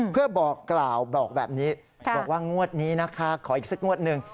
เพื่อบอกกล่าวบอกแบบนี้บอกว่างวดนี้นะคะขออีกสักงวดหนึ่ง